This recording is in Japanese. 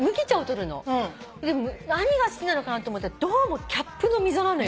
何が好きなのかなって思ったらどうもキャップの溝なのよ。